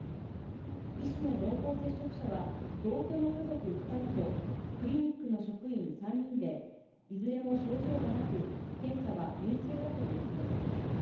医師の濃厚接触者は同居の家族２人と、クリニックの職員３人で、いずれも症状はなく、検査は陰性だということです。